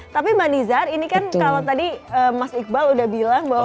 tapi mbak nizar ini kan kalau tadi mas iqbal udah bilang bahwa